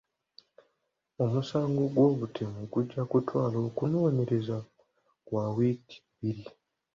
Omusango gw'obutemu gujja kutwala okunoonyereza kwa wiiki bbiri.